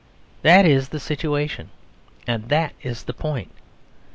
That is the situation; and that is the point.